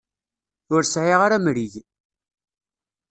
Ur sɛiɣ ara amrig.